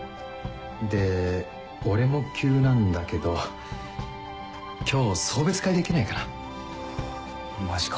で俺も急なんだけど今日送別会できないかな？マジか。